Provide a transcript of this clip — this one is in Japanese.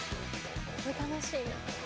「これ楽しいな」